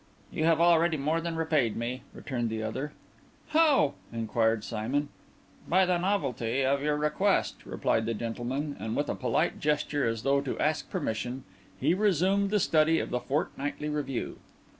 "You have already more than repaid me," returned the other. "How?" inquired Simon. "By the novelty of your request," replied the gentleman; and with a polite gesture, as though to ask permission, he resumed the study of the Fortnightly Review.